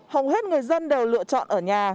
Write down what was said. hầu hết người dân đều lựa chọn ở nhà